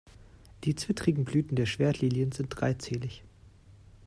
Die zwittrigen Blüten der Schwertlilien sind dreizählig.